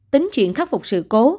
tính chuyện khắc phục sự cố